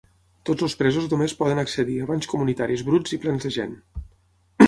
Tots els presos només poden accedir a banys comunitaris bruts i plens de gent.